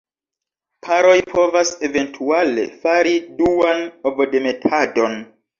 Paroj povas eventuale fari duan ovodemetadon.